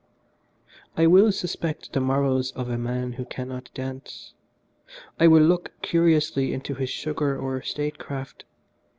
"I will suspect the morals of a man who cannot dance. I will look curiously into his sugar or statecraft.